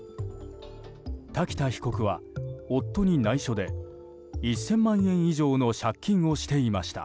瀧田被告は夫に内緒で１０００万円以上の借金をしていました。